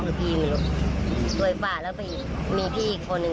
น้องพี่หนูด้วยฝ่าแล้วไปมีพี่อีกคนหนึ่ง